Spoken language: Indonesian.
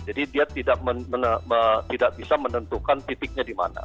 jadi dia tidak bisa menentukan titiknya di mana